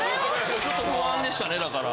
ずっと不安でしたねだから。